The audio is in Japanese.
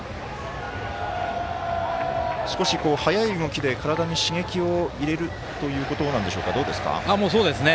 少し速い動きで体に刺激を入れるということなんでしょうか。